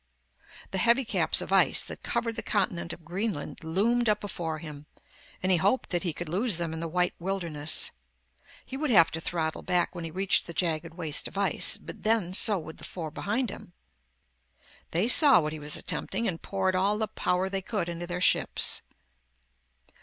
The heavy caps of ice that covered the continent of Greenland loomed up before him and he hoped that he could lose them in the white wilderness. He would have to throttle back when he reached the jagged waste of ice, but then so would the four behind him. They saw what he was attempting, and poured all the power they could into their ships.